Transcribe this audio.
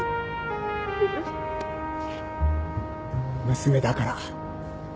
娘だから。